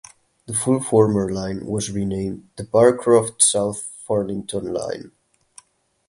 The full former line was renamed the "Barcroft–South Fairlington Line".